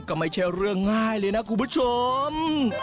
ก็ไม่ใช่เรื่องง่ายเลยนะคุณผู้ชม